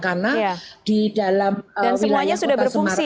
karena di dalam wilayah kota semarang